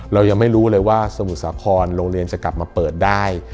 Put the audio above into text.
เรายังไม่รู้เลยว่าสมุทรสาครโรงเรียนจะกลับมาเปิดได้